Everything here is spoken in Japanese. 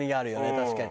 確かに。